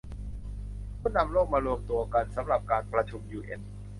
ผู้นำโลกมารวมตัวกันสำหรับการประชุมยูเอ็น